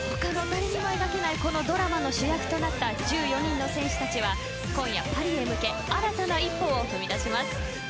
このドラマの主役となった１４人の選手たちは今夜パリへ向け新たな一歩を踏み出します。